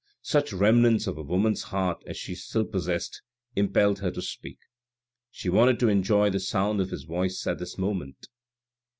Such remnants of a woman's heart as she still possessed impelled her to speak : she wanted to enjoy the sound of his voice at this moment.